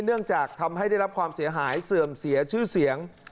เนื่องจากทำให้ได้รับความเสียหายเสื่อมเสียชื่อเสียง